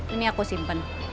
ini aku simpen